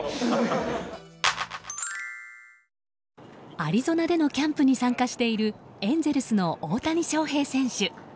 アリゾナでのキャンプに参加しているエンゼルスの大谷翔平選手。